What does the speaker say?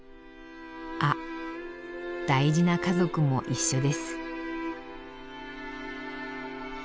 あっ大事な家族も一緒です。